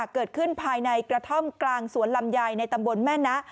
เกิดขึ้นภายในกระท่อมกลางสวนลำไยในตำบลแม่นะ